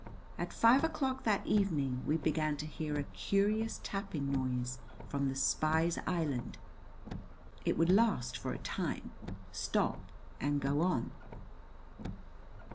At five o'clock that evening we began to hear a curious tapping noise from the spy's island. It would last for a time, stop, and go on.